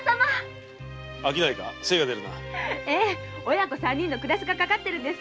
親子三人の暮らしがかかってるんです。